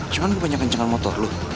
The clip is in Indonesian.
cuma gue banyak kencangan motor lo